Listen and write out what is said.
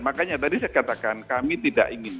makanya tadi saya katakan kami tidak ingin